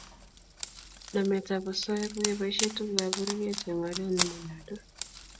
Nametab osoya kokeboisie tugukab pororiet eng oret ne monyolu